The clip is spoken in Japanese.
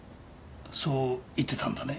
そう言ってたんだね？